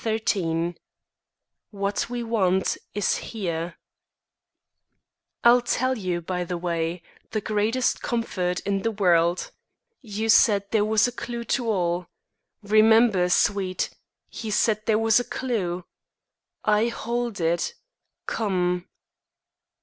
Lila!" XIII "WHAT WE WANT IS HERE" I'll tell you, by the way, The greatest comfort in the world. You said There was a clew to all. Remember, Sweet, He said there was a clew! I hold it. Come!